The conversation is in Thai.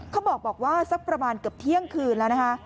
เขาบอกว่าสักประมาณเกือบเที่ยงคืนแล้วนะคะ